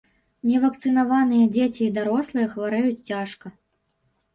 Невакцынаваныя дзеці і дарослыя хварэюць цяжка.